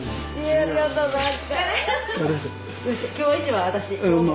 ありがとうございます。